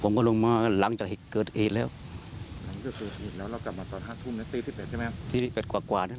ผมก็ลงมาก็จะลั่งเกิดเอดแล้ว